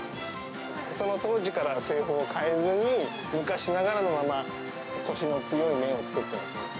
その当時から製法を変えずに、昔ながらのままこしの強い麺を作っている。